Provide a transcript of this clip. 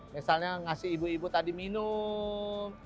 misalnya ngasih ibu ibu tadi minum